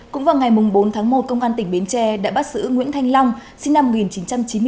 cũng vào ngày bốn tháng một công an tỉnh bến tre đã bắt giữ nguyễn thanh long sinh năm một nghìn chín trăm chín mươi bốn